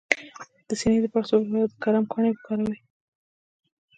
د سینې د پړسوب لپاره د کرم پاڼې وکاروئ